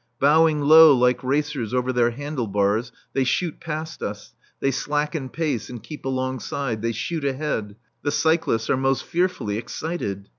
Bowing low like racers over their handle bars, they shoot past us; they slacken pace and keep alongside, they shoot ahead; the cyclists are most fearfully excited.